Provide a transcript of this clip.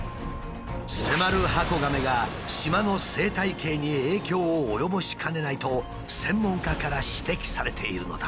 セマルハコガメが島の生態系に影響を及ぼしかねないと専門家から指摘されているのだ。